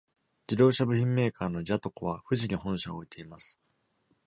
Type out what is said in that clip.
自動車部品メーカーのジヤトコは富士に本社を置いています。